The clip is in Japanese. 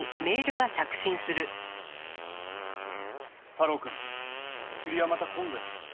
太郎くん釣りはまた今度や。